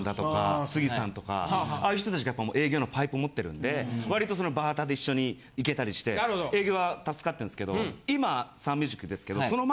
ああいう人達が営業のパイプを持ってるんで割とバーターで一緒に行けたりして営業は助かってんすけど今サンミュージックですけどその前。